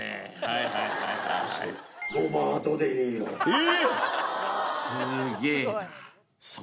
えっ！